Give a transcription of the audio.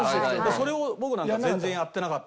それを僕なんか全然やってなかったから。